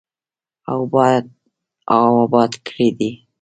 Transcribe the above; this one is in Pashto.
او اباد کړی دی.